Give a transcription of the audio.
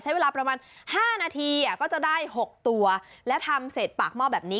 ใช้เวลาประมาณ๕นาทีก็จะได้๖ตัวและทำเสร็จปากหม้อแบบนี้